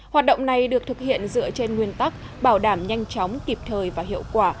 hoạt động này được thực hiện dựa trên nguyên tắc bảo đảm nhanh chóng kịp thời và hiệu quả